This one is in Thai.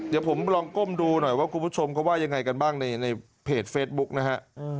เดี๋ยวผมลองก้มดูหน่อยว่าคุณผู้ชมเขาว่ายังไงกันบ้างในเพจเฟซบุ๊กนะฮะ